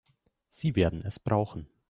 Sie werden es brauchen.